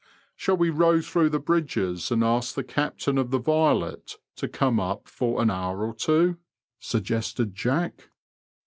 Shall we row through the Bridges and ask the captain of the Violet to come up for an hour or two ?" suggested Jack.